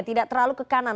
tidak terlalu ke kanan